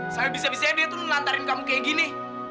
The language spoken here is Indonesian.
sampai bisa bisanya dia tuh ngelantarin kamu kayak gini